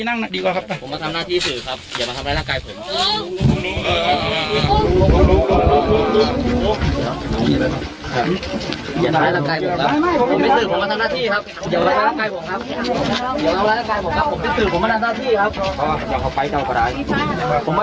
ไม่เป็นไรอย่าทำร้ายร่างกายผมนะครับอย่าทำร้ายร่างกาย